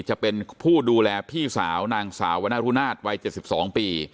จะเป็นผู้ดูแลพี่สาวนางสาววะนะรุนาศวัยเจ็ดสิบสองปี